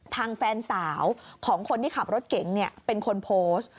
ทางแฟนสาวของคนที่ขับรถเก๋งเป็นคนโพสต์